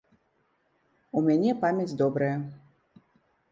У мяне памяць добрая.